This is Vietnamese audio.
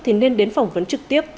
thì nên đến phỏng vấn trực tiếp